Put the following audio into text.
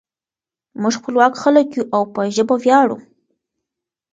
موږ خپلواک خلک یو او په ژبه ویاړو.